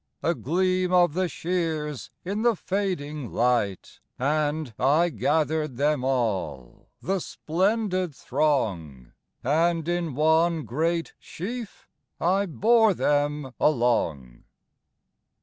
A gleam of the shears in the fading light, And I gathered them all,—the splendid throng, And in one great sheaf I bore them along..